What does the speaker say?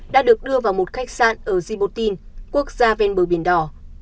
đã được đưa vào một khách sạn ở djibotin quốc gia ven bờ biển đỏ